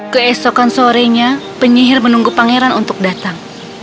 keesokan sorenya penyihir menunggu pangeran untuk datang